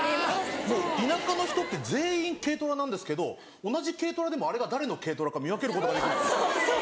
田舎の人って全員軽トラなんですけど同じ軽トラでもあれが誰の軽トラか見分けることができるんです。